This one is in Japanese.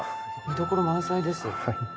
見どころ満載です。